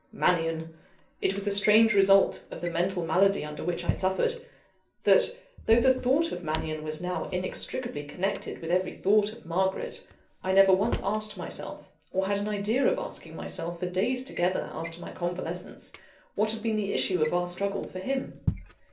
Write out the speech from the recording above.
Mannion! It was a strange result of the mental malady under which I suffered, that, though the thought of Mannion was now inextricably connected with every thought of Margaret, I never once asked myself, or had an idea of asking myself, for days together, after my convalescence, what had been the issue of our struggle, for him.